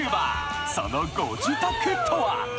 そのご自宅とは？